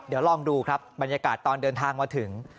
เดี๋ยวลองดูครับบรรยากาศตอนเดินทางมาถึง